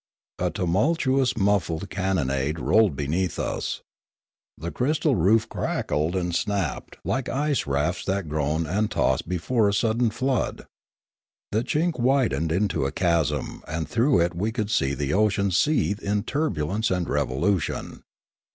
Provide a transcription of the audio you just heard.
A tumultuous muffled cannonade rolled beneath us. The crystal roof crackled and snapped like ice rafts that groan and toss before a sudden flood. The chink widened into a chasm, and through it we . could see the ocean seethe in turbulence and revolution.